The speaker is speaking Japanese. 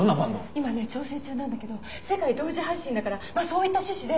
今ね調整中なんだけど世界同時配信だからそういった趣旨で。